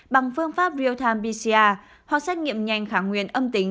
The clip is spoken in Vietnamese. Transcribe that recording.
bằng phương pháp real time pcr hoặc xét nghiệm nhanh kháng nguyên âm tính